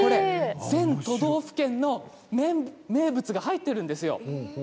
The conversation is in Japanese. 全都道府県の名物が入っているんです。